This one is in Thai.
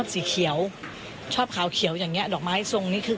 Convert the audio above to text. คือแกเลยแหละทุกอย่างที่ทำให้แก